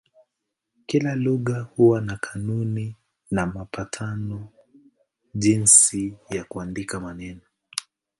Kila lugha huwa na kanuni na mapatano jinsi ya kuandika maneno.